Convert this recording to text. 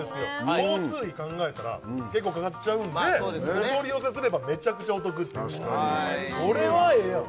交通費考えたら結構かかっちゃうんでお取り寄せすればメチャクチャお得っていう確かにこれはええやん